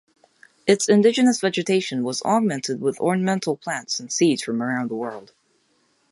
Its indigenous vegetation was augmented with ornamental plants and seeds from around the world.